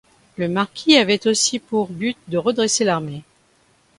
Le marquis avait aussi pour but de redresser l’armée.